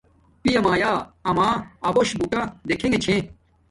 پیا مایا اما ابوش بوٹا دیکھےگے چھے